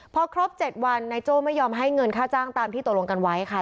พอครบ๗วันนายโจ้ไม่ยอมให้เงินค่าจ้างตามที่ตกลงกันไว้ค่ะ